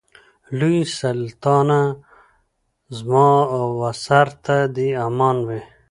لوی سلطانه زما و سر ته دي امان وي